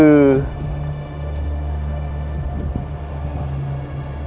คือ